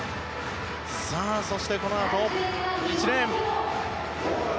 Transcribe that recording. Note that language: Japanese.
そして、このあと１レーン。